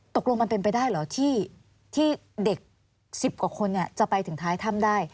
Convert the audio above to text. ตกลงมันเป็นไปได้เหรอที่เด็ก๑๐กว่าคนจะไปถึงท้ายถ้ำได้